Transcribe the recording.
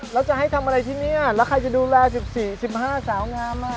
แล้วจะให้ทำอะไรที่นี่แล้วใครจะดูแล๑๔๑๕สาวงาม